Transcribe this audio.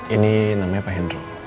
ini namanya pak hendro